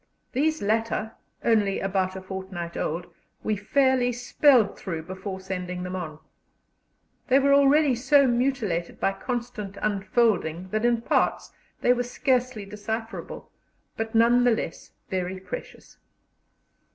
These latter, only about a fortnight old, we fairly spelled through before sending them on. They were already so mutilated by constant unfolding that in parts they were scarcely decipherable, but none the less very precious.